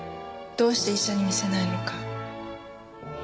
どうして医者に診せないのか。